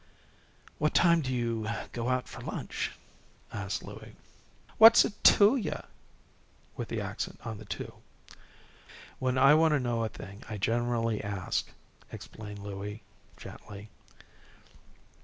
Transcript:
"What time do you go out for lunch?" asked Louie. "What's it to you?" with the accent on the "to." "When I want to know a thing, I generally ask," explained Louie, gently.